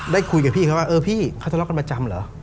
ได้คุยกับพี่เขาว่าเออพี่เขาทะเลาะกันประจำเหรอ